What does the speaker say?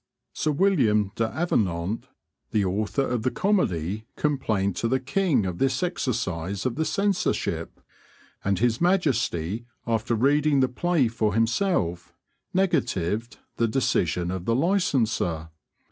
Sir William D'Avenant, the author of the comedy, complained to the king of this exercise of the censorship, and His Majesty, after reading the play for himself, negatived the decision of the licenser.